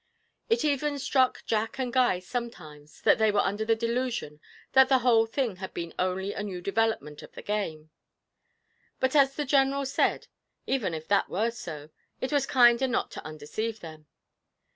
It even struck Jack and Guy sometimes that they were under the delusion that the whole thing had been only a new development of the game. But as the General said: 'Even if that were so, it was kinder not to undeceive them.